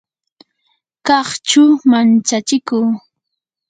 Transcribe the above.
qaqchu manchachiku